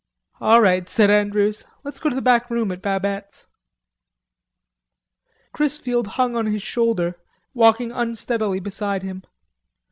"All right," said Andrews, "let's go to the back room at Babette's." Chrisfield hung on his shoulder, walking unsteadily beside him.